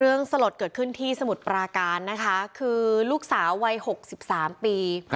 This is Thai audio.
สลดเกิดขึ้นที่สมุทรปราการนะคะคือลูกสาววัย๖๓ปี